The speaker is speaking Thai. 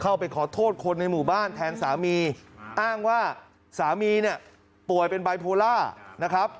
เข้าไปขอโทษคนในหมู่บ้านแทนสามีอ้างว่าสามีเนี่ยป่วยเป็นไบโพล่านะครับ